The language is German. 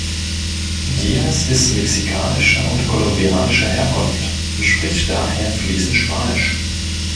Diaz ist mexikanischer und kolumbianischer Herkunft und spricht daher fließend Spanisch.